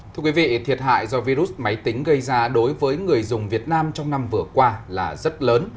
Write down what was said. thưa quý vị thiệt hại do virus máy tính gây ra đối với người dùng việt nam trong năm vừa qua là rất lớn